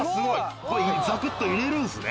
ザクっと入れるんすね。